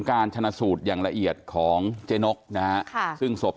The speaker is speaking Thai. การชนะสูตรอย่างละเอียดของเจ๊นกนะฮะค่ะซึ่งศพ